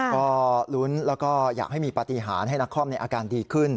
ก็ลุ้นแล้วก็อยากให้มีปฏิหารให้นักคอมอาการดีขึ้น